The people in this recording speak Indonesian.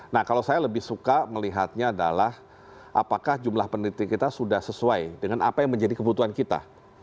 nah kalau saya lebih suka melihatnya adalah apakah jumlah peneliti kita sudah sesuai dengan apa yang menjadi kebutuhan kita